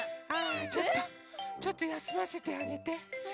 ちょっとちょっとやすませてあげて。